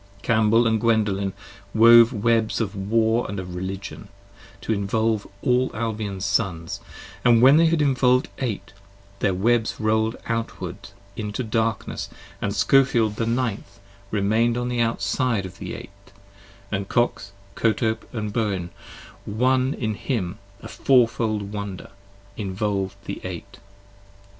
Cambel & Gwendolen wove webs of war & of 45 Religion, to involve all Albion's sons, and when they had Involv'd Eight, their webs roll'd outwards into darkness And Scofield the Ninth remain'd on the outside of the Eight, And Kox, Kotope, & Bowen,' One in him, a Fourfold Wonder, Involv'd the Eight.